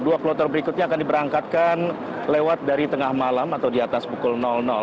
dua kloter berikutnya akan diberangkatkan lewat dari tengah malam atau di atas pukul